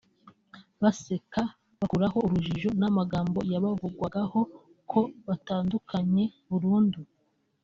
baseka bakuraho urujijo n’amagambo yabavugwagaho ko batandukanye burundu